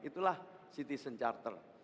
itulah citizen charter